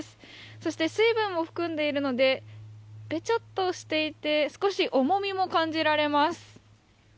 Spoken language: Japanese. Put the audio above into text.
そして水分も含んでいるのでべちょっとしていて少し重みも感じられます。